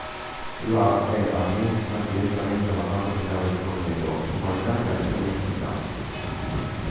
La è ammessa direttamente alla fase finale del torneo in qualità di nazione ospitante.